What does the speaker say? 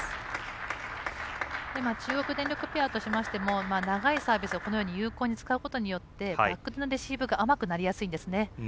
中国電力ペアとしましても長いサービスを有効に使うことによってバックのレシーブが甘くなりやすいんですね。